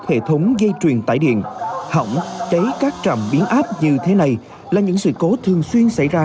hệ thống dây truyền tải điện hỏng cháy các trạm biến áp như thế này là những sự cố thường xuyên xảy ra